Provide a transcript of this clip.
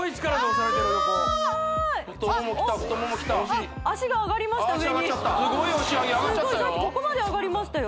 さっきここまで上がりましたよ